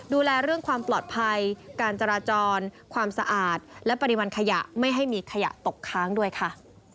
ดูแลเรื่องความปลอดภัยการจราจรความสะอาดและปริมาณขยะไม่ให้มีขยะตกค้างด้วยค่ะ